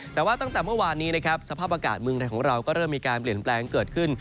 แต่ว่าตั้งแต่เมื่อวานนี้นะครับสภาพอากาศเมืองไทยของเราก็เริ่มมีการเปลี่ยนแปลงเกิดขึ้น